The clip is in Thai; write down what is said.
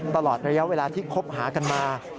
ตลอดระยะเวลาที่คบหากันมา